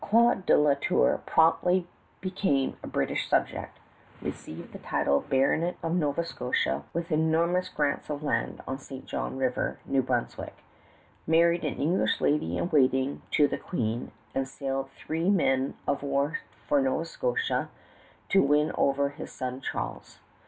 Claude de La Tour promptly became a British subject, received the title Baronet of Nova Scotia with enormous grants of land on St. John River, New Brunswick, married an English lady in waiting to the Queen, and sailed with three men of war for Nova Scotia to win over his son Charles.